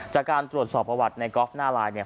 จากการตรวจสอบประวัติในกอล์ฟหน้าไลน์เนี่ย